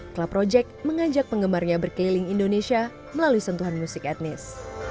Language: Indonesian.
club project mengajak penggemarnya berkeliling indonesia melalui sentuhan musik etnis